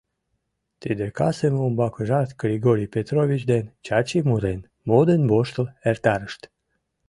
Тиде касым умбакыжат Григорий Петрович ден Чачи мурен, модын-воштыл эртарышт.